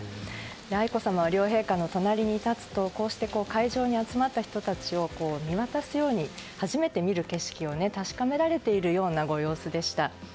愛子さまは両陛下の隣に立つとこうして会場に集まった人たちを見渡すように、初めて見る景色を確かめられているようなご様子でした。